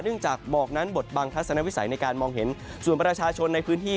จากหมอกนั้นบทบังทัศนวิสัยในการมองเห็นส่วนประชาชนในพื้นที่